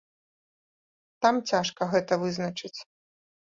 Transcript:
Там цяжка гэта вызначыць.